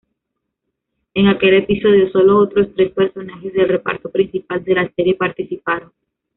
En aquel episodio, sólo otros tres personajes del reparto principal de la serie participaron.